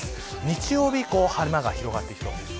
日曜日以降晴れ間が広がっていきそうです。